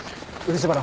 漆原。